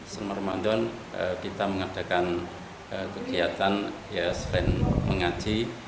selama ramadan kita mengadakan kegiatan selain mengaji